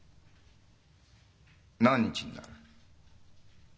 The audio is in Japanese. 何日になる？